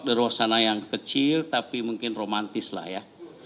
di ruang sana yang kecil tapi mungkin romantis lah ya